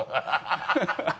ハハハハ！